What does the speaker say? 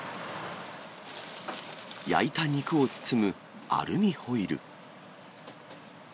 焼いた肉を包むアルミホイル。